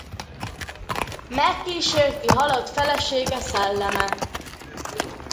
Megkísérti halott felesége szelleme.